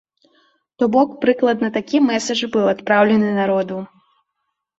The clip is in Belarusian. То бок прыкладна такі мэсадж быў адпраўлены народу.